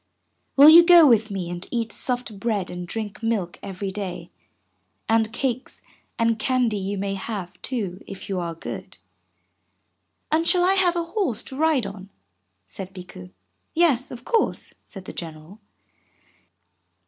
Will you go with me and eat soft bread and drink milk every day, and cakes and candy you may have, too, if you are good?" "And shall I have a horse to ride on?" said Bikku, "Yes, of course," said the General.